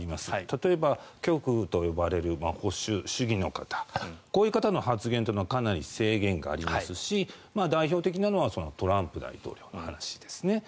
例えば、極右といわれる保守主義の方こういう方の発言はかなり制限がありますし代表的なのはトランプ大統領の話ですね。